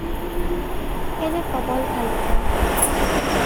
কেনে প্ৰবল ভাল-পোৱা!